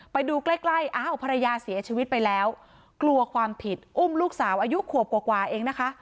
ไปดูใกล้ใกล้อ้าวภรรยาเสียชีวิตไปแล้วกลัวความผิดอุ้มลูกสาวอายุขวบกว่าเองนะคะ